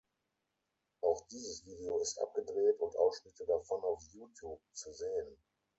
Auch dieses Video ist abgedreht und Ausschnitte davon auf Youtube zu sehen.